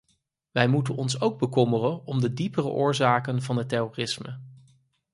Wij moeten ons ook bekommeren om de diepere oorzaken van het terrorisme.